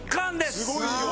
すごいよ！